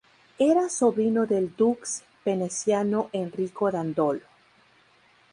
Era sobrino del dux veneciano Enrico Dandolo.